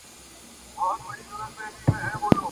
د خاوند یې نفس تنګ په واویلا وو؛